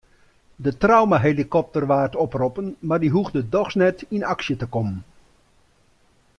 De traumahelikopter waard oproppen mar dy hoegde dochs net yn aksje te kommen.